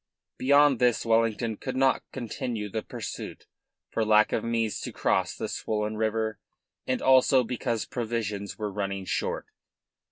Beyond this Wellington could not continue the pursuit for lack of means to cross the swollen river and also because provisions were running short.